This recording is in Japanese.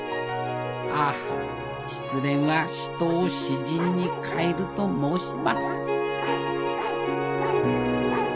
ああ失恋は人を詩人に変えると申します